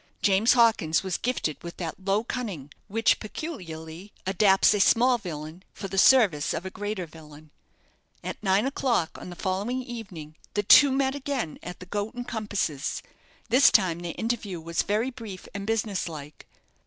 James Hawkins was gifted with that low cunning which peculiarly adapts a small villain for the service of a greater villain. At nine o'clock on the following evening, the two met again at the "Goat and Compasses." This time their interview was very brief and business like.